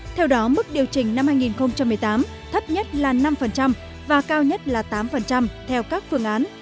theo đó mức điều chỉnh năm hai nghìn một mươi tám thấp nhất là năm và cao nhất là tám theo các phương án